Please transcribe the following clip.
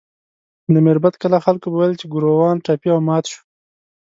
د میربت کلا خلکو به ویل چې ګوروان ټپي او مات شو.